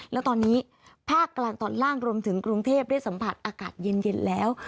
แล้วตอนนี้ภาคกลางตอนล่างรวมถึงกรุงเทพได้สัมผัสอากาศเย็นแล้ว